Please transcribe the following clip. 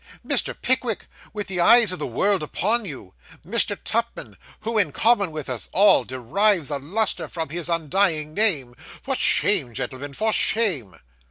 Mr. Pickwick, with the eyes of the world upon you! Mr. Tupman! who, in common with us all, derives a lustre from his undying name! For shame, gentlemen; for shame.